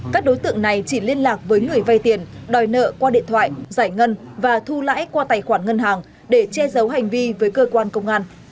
các đối tượng này chỉ liên lạc với người vay tiền đòi nợ qua điện thoại giải ngân và thu lãi qua tài khoản ngân hàng để che giấu hành vi với cơ quan công an